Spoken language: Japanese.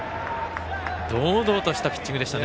堂々としたピッチングでしたね。